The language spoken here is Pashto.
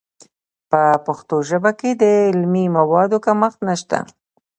په پښتو ژبه کې د علمي موادو کمښت نشته.